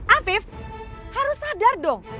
afif harus sadar dong